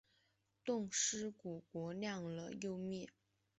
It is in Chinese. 冻尸骨国亮了又灭。